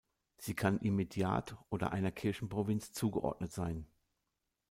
Sie kann immediat oder einer Kirchenprovinz zugeordnet sein.